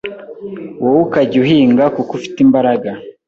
wowe ukajya uhinga kuko ufite imbaraga